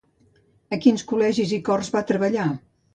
A quins col·legis i cors va treballar?